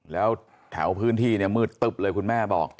แล้วแถวพื้นที่เนี่ยมืดตึ๊บเลยคุณแม่บอก